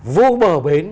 vô bờ bến